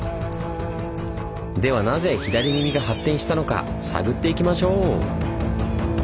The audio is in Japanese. ではなぜ「左耳」が発展したのか探っていきましょう！